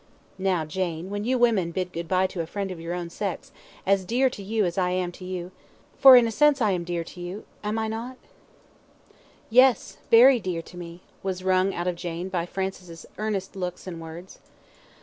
"Now, Jane, when you women bid good bye to a friend of your own sex, as dear to you as I am to you for in a sense I am dear to you, am I not?" "Yes, very dear to me," was wrung out of Jane, by Francis' earnest looks and words.